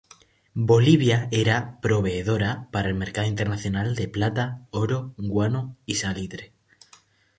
Bolivia era proveedora para el mercado internacional de plata, oro, guano y salitre.